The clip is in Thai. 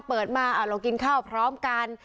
เปิดมาเรากินข้าวพร้อมกัน